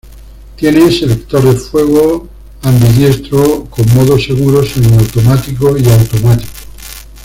Tiene selector de fuego ambidiestro con modo seguro, semiautomático y automático.